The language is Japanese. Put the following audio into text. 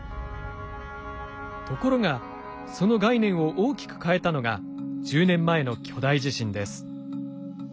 ところがその概念を大きく変えたのが１０年前の巨大地震です。